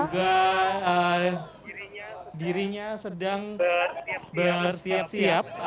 juga dirinya sedang bersiap siap